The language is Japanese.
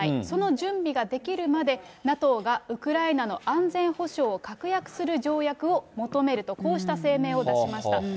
その準備ができるまで、ＮＡＴＯがウクライナの安全保障を確約する条約を求めると、こうした声明を出しました。